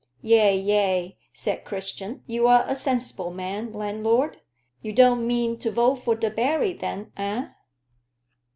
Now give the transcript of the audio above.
"Ay, ay," said Christian; "you're a sensible man, landlord. You don't mean to vote for Debarry, then, eh?"